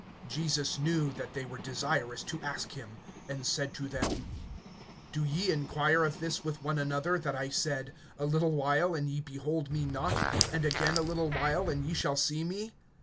(19)Jesus knew that they were desirous to ask him, and said to them: Do ye inquire of this with one another, that I said, A little while, and ye behold me not; and again a little while, and ye shall see me?